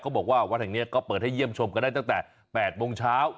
บอกว่าวัดแห่งนี้ก็เปิดให้เยี่ยมชมกันได้ตั้งแต่๘โมงเช้า